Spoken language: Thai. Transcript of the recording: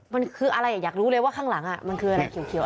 มันคืออะไรอยากรู้เลยว่าข้างหลังมันคืออะไรเขียว